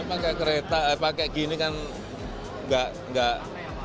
pakai kereta pakai gini kan nggak